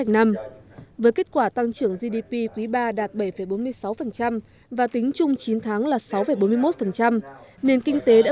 với kết quả tăng trưởng gdp quý ba đạt bảy bốn mươi sáu và tính chung chín tháng là sáu bốn mươi một nền kinh tế đã